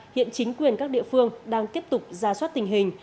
hiện chính quyền các địa phương đang tiếp tục ra soát tình hình